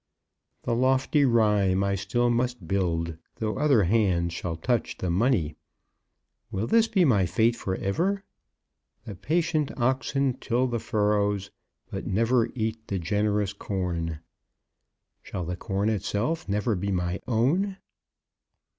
The lofty rhyme I still must build, Though other hands shall touch the money. Will this be my fate for ever? The patient oxen till the furrows, But never eat the generous corn. Shall the corn itself never be my own?"